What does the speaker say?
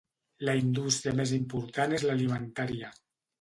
La indústria més important és l'alimentària.